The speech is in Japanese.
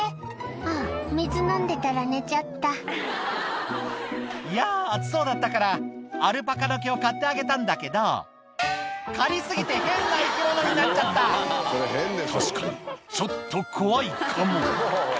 ああ、水飲んでたら寝ちいやー、暑そうだったから、アルパカの毛を刈ってあげたんだけど、刈り過ぎて、変な生き物に確かに、ちょっと怖いかも。